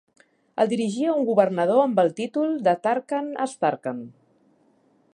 El dirigia un governador amb el títol de Tarkhan As-Tarkhan.